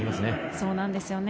そうなんですよね。